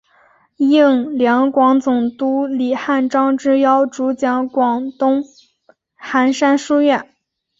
应两广总督李瀚章之邀主讲广东韩山书院。